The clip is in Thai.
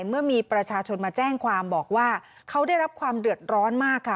เมื่อมีประชาชนมาแจ้งความบอกว่าเขาได้รับความเดือดร้อนมากค่ะ